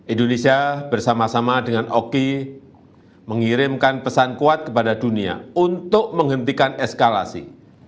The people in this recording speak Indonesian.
indonesia bersama sama dengan oki mengirimkan pesan kuat kepada dunia untuk menghentikan eskalasi